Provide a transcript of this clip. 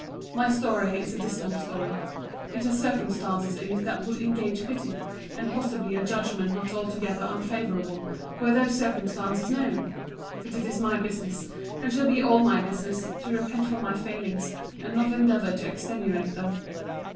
My story is a dismal story. It has circumstances in it that would engage pity, and possibly a judgment not altogether unfavourable, were those circumstances known. But it is my business, and shall be all my business, to repent of my failings, and not endeavour to extenuate them.